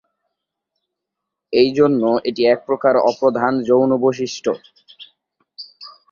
এই জন্য এটি এক প্রকার অপ্রধান যৌন বৈশিষ্ট্য।